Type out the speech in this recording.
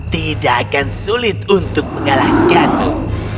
tidak akan sulit untuk mengalahkanmu